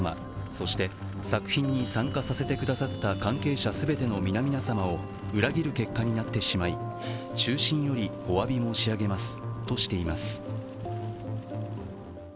そして、作品に参加させてくださった関係者全ての皆々様を裏切る結果になってしまい、衷心よりおわび申し上げますとしています。